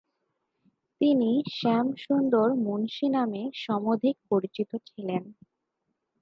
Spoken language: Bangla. তিনি শ্যামসুন্দর মুন্সী নামে সমধিক পরিচিত ছিলেন।